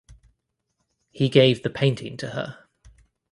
He gave the painting to her.